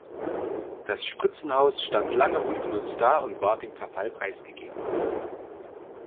Das Spritzenhaus stand lange ungenutzt da und war dem Verfall preisgegeben.